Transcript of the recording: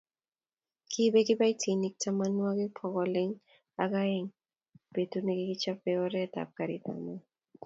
kibek kibaitinik tamanwokik bokol aeng betut nekikichapei oret ab karit ab maat